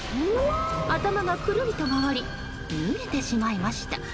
頭がくるりと回り脱げてしまいました。